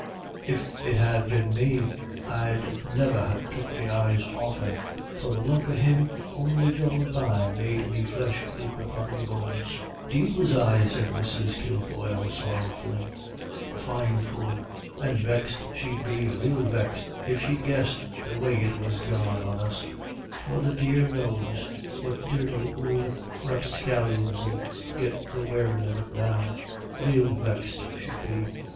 "If it had been me, I'd niver ha' took me eyes off him, for the look of him on'y goin' by made me flesh creep upon me bones." "'Deed was I," said Mrs. Kilfoyle, sorrowfully, "a fine fool. And vexed she'd be, rael vexed, if she guessed the way it was gone on us, for the dear knows what dirty ould rapscallions 'ill get the wearin' of it now. Rael vexed she'd be."